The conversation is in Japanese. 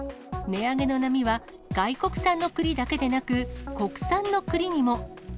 値上げの波は外国産の栗だけでなく、国産の栗にも。